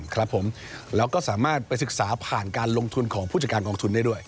ครับผมแล้วก็สามารถไปศึกษาผ่านการลงทุนของผู้จัดการกองทุนได้ด้วย